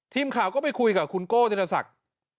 ทีมข่าวก็ไปคุยกับคุณโก้ธิรศักดิ์